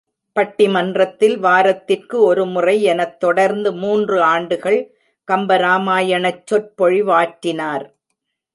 பட்டிமன்றத்தில் வாரத்திற்கு ஒரு முறை எனத் தொடர்ந்து மூன்று ஆண்டுகள் கம்பராமாயணச் சொற் பொழிவாற்றினார்.